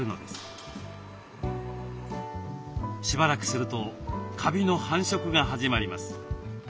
しばらくするとカビの繁殖が始まります。